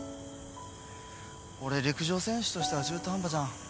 俺陸上選手としては中途半端じゃん。